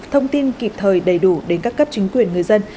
thông tin kịp thời đầy đủ đến các cấp chính quyền người dân